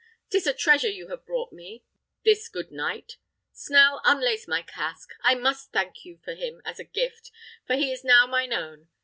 'Tis a treasure you have brought me, this good knight. Snell, unlace my casque; I must thank you for him as a gift, for he is now mine own.